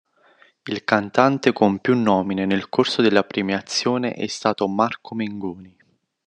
Il cantante con più nomine nel corso della premiazione è stato Marco Mengoni.